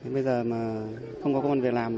bây giờ mà không có con việc làm